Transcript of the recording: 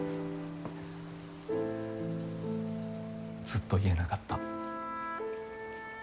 ずっと言えなかった。